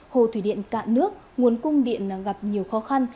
hồ thủy điện cạn nước nguồn cung điện gặp nhiều khó khăn